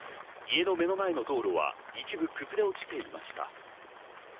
家の目の前の道路は一部崩れ落ちていました。